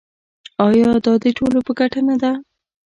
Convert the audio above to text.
آیا دا د ټولو په ګټه نه ده؟